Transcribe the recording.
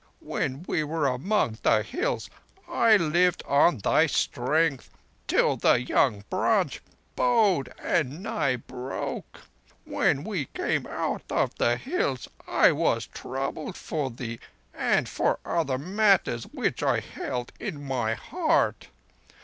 When we were among the Hills, I lived on thy strength till the young branch bowed and nigh broke. When we came out of the Hills, I was troubled for thee and for other matters which I held in my heart.